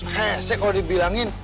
hesek kalo dibilangin